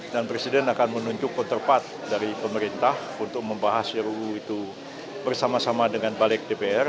dan presiden akan menunjukkan terpat dari pemerintah untuk membahas yru itu bersama sama dengan balik dpr